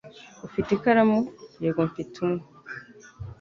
"Ufite ikaramu?" "Yego, mfite umwe."